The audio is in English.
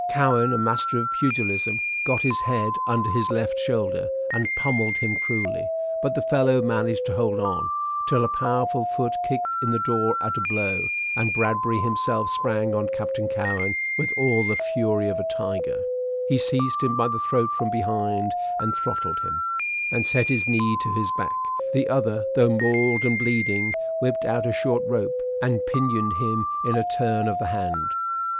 Cowen, a master of pugilism, got his head under his left shoulder, and pommelled him cruelly; but the fellow managed to hold on, till a powerful foot kicked in the door at a blow, and Bradbury himself sprang on Captain Cowen with all the fury of a tiger; he seized him by the throat from behind, and throttled him, and set his knee to his back; the other, though mauled and bleeding, whipped out a short rope, and pinioned him in a turn of the hand.